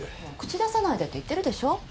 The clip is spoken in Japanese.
もう口出さないでって言ってるでしょ？